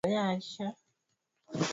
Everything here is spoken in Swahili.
Zaidi ya Mungu wangu.